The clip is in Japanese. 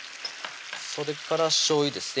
それからしょうゆですね